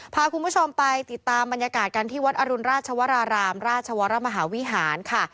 พาคุณผู้ชมไปติดตามบรรยากาศกันที่วัดอรุณราชวรารามราชวรมหาวิหารค่ะ